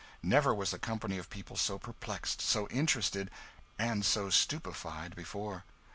Never was a company of people so perplexed, so interested, and so stupefied, before.